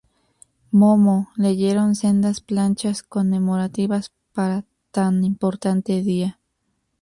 Momo, leyeron sendas Planchas conmemorativas para tan importante día.